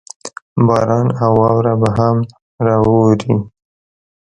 باران او واوره به هم راووري.